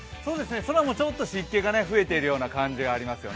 空もちょっと湿気が増えているような感じがあります。